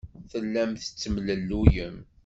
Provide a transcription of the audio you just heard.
Tellam tettemlelluyem.